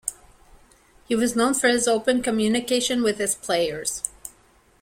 He was known for his open communication with his players.